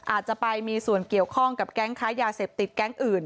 อาจจะไปมีส่วนเกี่ยวข้องกับแก๊งค้ายาเสพติดแก๊งอื่น